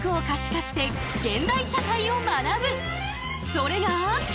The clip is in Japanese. それが。